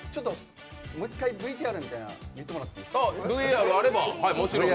もう１回、ＶＴＲみたいなの見てもらっていいですか？